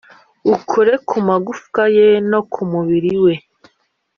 ukore ku magufwa ye no ku mubiri we,